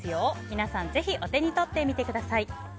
皆さんぜひお手に取ってみてください。